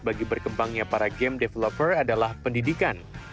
bagi berkembangnya para game developer adalah pendidikan